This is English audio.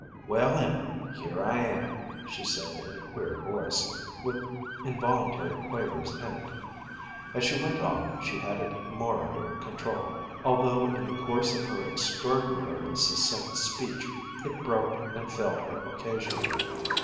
"Well, Emma, here I am," she said in a queer voice, with involuntary quavers in it. As she went on she had it more under control, although in the course of her extraordinarily succinct speech it broke and failed her occasionally.